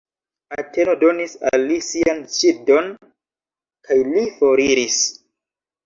Ateno donis al li sian ŝildon, kaj li foriris.